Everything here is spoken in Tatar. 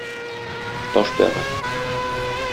Таш бәгырь.